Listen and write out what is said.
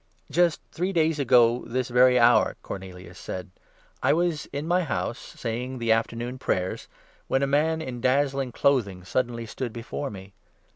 "Just three days ago this very hour," Cornelius said, "I 30 was in my house, saying the Afternoon Prayers, when a man in dazzling clothing suddenly stood before me.